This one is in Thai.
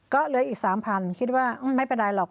ก็เหลืออีกสามพันธุ์คิดว่าไม่เป็นไรหรอก